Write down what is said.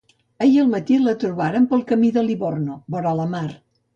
Ahir al matí la trobaren pel camí de Livorno, vora la mar.